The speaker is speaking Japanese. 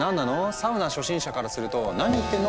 サウナ初心者からすると「何言ってんの？」